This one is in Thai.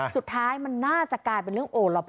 ว่าอะไรมันน่าจะกลายเป็นเรื่องโอรพ่อ